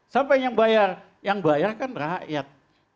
sampai yang bayar yang bayar kan rakyat